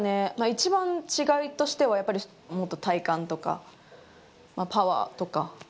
一番違いとしては、やっぱりもっと体幹とか、パワーとか。